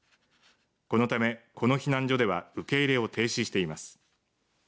このためこの避難所では受け入れを停止しています。